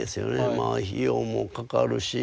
まあ費用もかかるし。